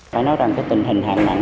phải nói rằng cái tình hình hạn mặn